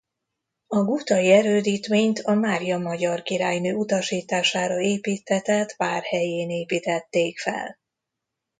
A gútai erődítményt a Mária magyar királynő utasítására építtetett vár helyén építették fel.